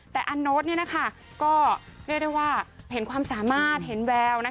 แต่อานโน้ตเนี่ยนะคะก็เข้าในว่าเห็นความสามารถเห็นแววนะคะ